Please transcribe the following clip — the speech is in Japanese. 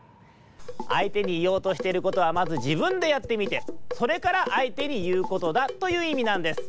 「あいてにいおうとしてることはまずじぶんでやってみてそれからあいてにいうことだ」といういみなんです。